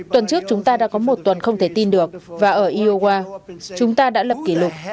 tuần trước chúng ta đã có một tuần không thể tin được và ở iowa chúng ta đã lập kỷ lục